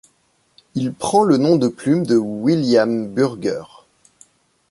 Il prend le nom de plume de William Bürger.